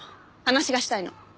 話がしたいの。